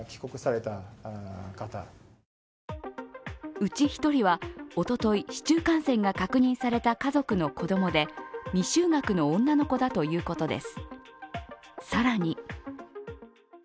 うち１人は、おととい市中感染が確認された家族の子供で未就学の女の子だということです。